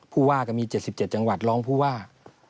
ผู้ว่าก็มี๗๗จังหวัดรองผู้ว่า